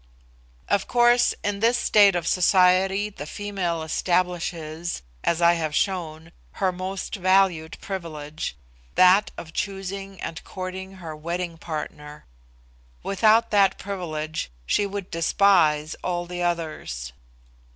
Of course, in this state of society the female establishes, as I have shown, her most valued privilege, that of choosing and courting her wedding partner. Without that privilege she would despise all the others.